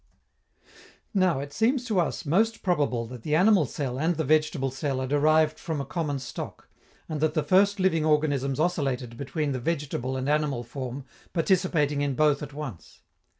Now, it seems to us most probable that the animal cell and the vegetable cell are derived from a common stock, and that the first living organisms oscillated between the vegetable and animal form, participating in both at once.